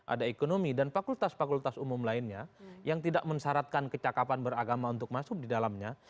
ada ekonomi dan fakultas fakultas umum lainnya yang tidak mensyaratkan kecakapan beragama untuk masuk di dalamnya